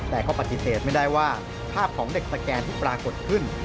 แต่ก็ปฏิเสธไม่ได้ว่าภาพของเด็กสแกนที่ปรากฏขึ้น